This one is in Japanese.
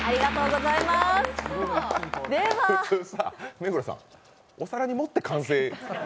目黒さん、お皿に盛って完成。